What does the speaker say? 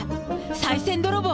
さい銭泥棒？